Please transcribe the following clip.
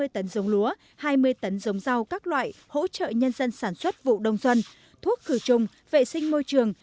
hai trăm năm mươi tấn giống lúa hai mươi tấn giống rau các loại hỗ trợ nhân dân sản xuất vụ đông dân thuốc cử trùng vệ sinh môi trường